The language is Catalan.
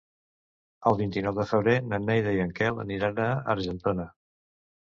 El vint-i-nou de febrer na Neida i en Quel aniran a Argentona.